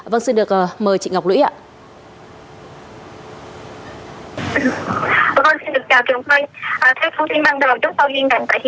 vâng xin được mời chị ngọc lũy ạ